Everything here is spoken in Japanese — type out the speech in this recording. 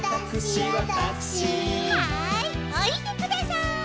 はいおりてください。